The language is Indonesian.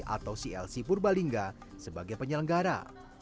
atau clc purbalingga sebagai penyelenggara